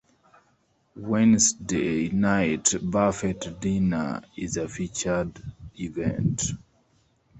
"Wednesday Night Buffet Dinner" is a featured event.